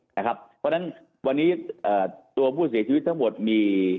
เพราะฉะนั้นวันนี้ตัวผู้เสียชีวิตทั้งหมดมี